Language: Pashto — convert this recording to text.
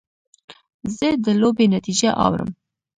زه د لوبې نتیجه اورم.